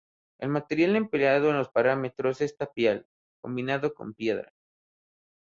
El material empleado en los paramentos es tapial, combinado con piedra.